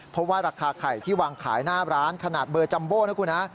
เพราะว่าราคาไข่ที่วางขายหน้าร้านขนาดเบอร์จัมโบ้นะคุณฮะ